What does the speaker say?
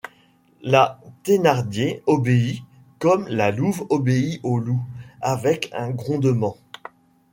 La Thénardier obéit, comme la louve obéit au loup, avec un grondement.